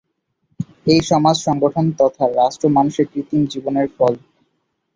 এ সমাজ সংগঠন তথা রাষ্ট্র মানুষের কৃত্রিম জীবনের ফল।